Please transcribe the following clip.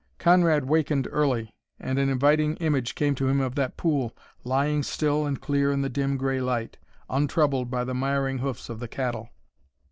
Conrad wakened early and an inviting image came to him of that pool, lying still and clear in the dim gray light, untroubled by the miring hoofs of the cattle.